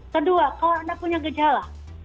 kedua kalau anda punya gejala